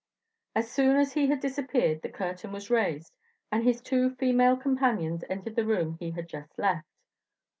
As soon as he had disappeared the curtain was raised, and his two female companions entered the room he had just left.